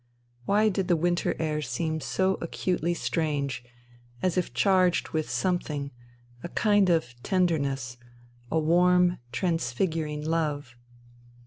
Why did the winter air seem so acutely strange, as if charged with some thing, a kind of tenderness, a warm, transfiguring love